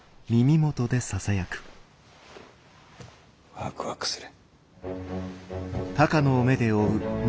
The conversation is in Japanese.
ワクワクする。